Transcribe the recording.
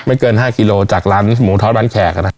ไม่เกิน๕กิโลกรัมจากร้านหมูทอดร้านแขกนะครับ